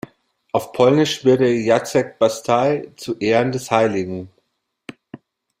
Auf polnisch wird er „Jacek-Bastei“ zu Ehren des Hl.